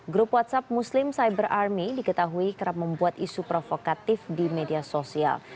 grup whatsapp muslim cyber army diketahui kerap membuat isu provokatif di media sosial